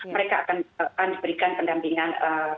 mereka akan diberikan pendampingan